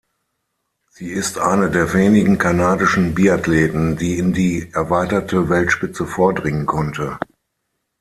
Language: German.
Sie ist eine der wenigen kanadischen Biathleten die in die erweiterte Weltspitze vordringen konnte.